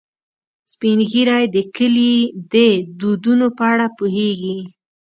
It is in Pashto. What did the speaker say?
سپین ږیری د کلي د دودونو په اړه پوهیږي